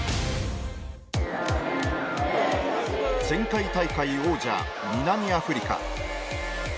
前回大会王者南アフリカ。